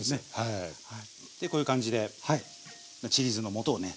でこういう感じでちり酢のもとをね